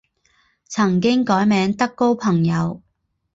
曾经改名德高朋友。